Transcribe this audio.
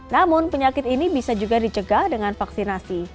namun penyakit ini bisa juga dicegah dengan vaksinasi